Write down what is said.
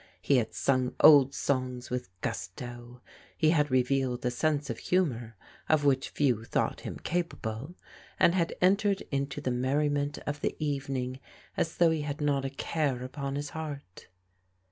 He had sung old songs with gusto. He had revealed a sense of humour of which few thought him capable, and had entered into the merriment of the evening as though he had not a care upon his heart.